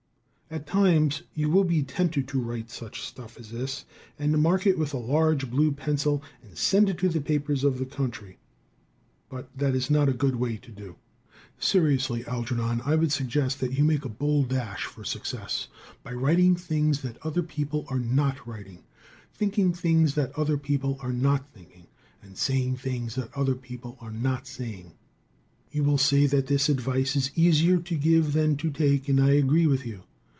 At times you will be tempted to write such stuff as this, and mark it with a large blue pencil and send it to the papers of the country, but that is not a good way to do. Seriously, Algernon, I would suggest that you make a bold dash for success by writing things that other people are not writing, thinking things that other people are not thinking, and saying things that other people are not saying. You will say that this advice is easier to give than to take, and I agree with you.